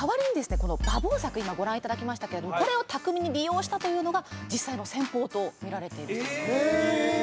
この馬防柵今ご覧いただきましたけれどもこれを巧みに利用したというのが実際の戦法と見られているそうなんですへえ！